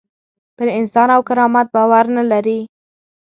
پر انسان او کرامت باور نه لري.